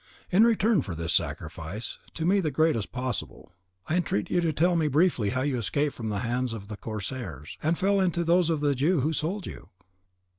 In return for this sacrifice, to me the greatest possible, I entreat you to tell me briefly how you escaped from the hands of the corsairs, and fell into those of the Jew who sold you."